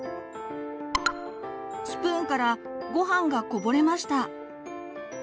スプーンからごはんがこぼれました。